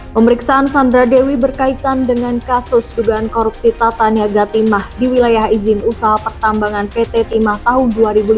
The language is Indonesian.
pemeriksaan sandra dewi berkaitan dengan kasus dugaan korupsi tata niaga timah di wilayah izin usaha pertambangan pt timah tahun dua ribu lima belas